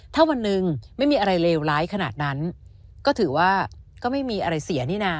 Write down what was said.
ถ้าวันหนึ่งไม่มีอะไรเลวร้ายขนาดนั้นก็ถือว่าก็ไม่มีอะไรเสียนี่นะ